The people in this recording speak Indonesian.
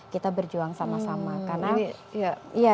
kita berjuang sama sama